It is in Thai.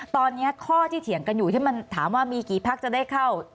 ตอนนี้ข้อที่เถียงกันอยู่ที่มันถามว่ามีกี่พักจะได้เข้า